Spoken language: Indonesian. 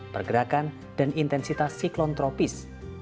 pergerakan dan intensitas siklon tropis